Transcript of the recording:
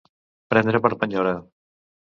Prendre per penyora.